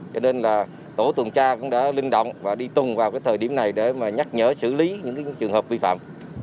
cho nên là tổ tùng tra cũng đã lưu động và đi tùng vào cái thời điểm này để mà nhắc nhở xử lý những trường hợp vi phạm